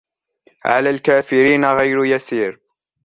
عَلَى الْكَافِرِينَ غَيْرُ يَسِيرٍ